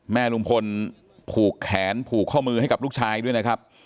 แม่ลุงพลผูกแขนผูกข้อมือให้กับลูกชายด้วยนะครับ